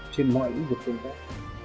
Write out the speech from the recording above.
trên mọi ứng vực công tác